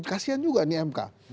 kasian juga nih mk